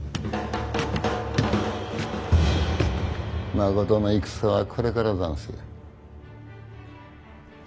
まことの戦はこれからざんすよ。